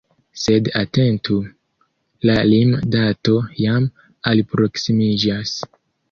Sed atentu: la lim-dato jam alproksimiĝas!